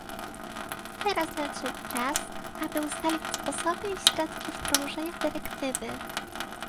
Teraz nadszedł czas, aby ustalić sposoby i środki wdrożenia dyrektywy